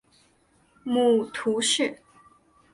母屠氏。